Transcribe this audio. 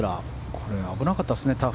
これ、危なかったですね。